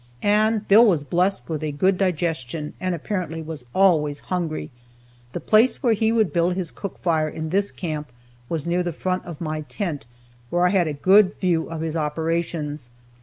And Bill was blessed with a good digestion, and apparently was always hungry. The place where he would build his cook fire in this camp was near the front of my tent, where I had a good view of his operations.